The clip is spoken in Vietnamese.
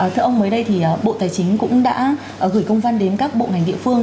thưa ông mới đây thì bộ tài chính cũng đã gửi công văn đến các bộ ngành địa phương